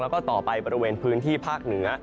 แล้วก็ต่อไปบริเวณพื้นที่ภาคเหนือ